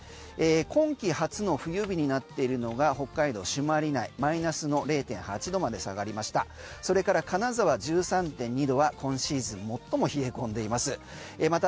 今季初の冬日になっているのが北海道の朱鞠内マイナスの０．８度まで下がりました。